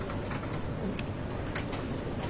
うん。